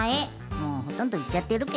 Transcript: もうほとんどいっちゃってるけど。